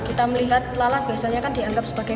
kita melihat lalat biasanya kan dianggap sebagai